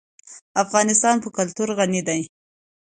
افغانستان په کلتور غني دی.